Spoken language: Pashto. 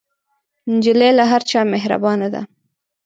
نجلۍ له هر چا مهربانه ده.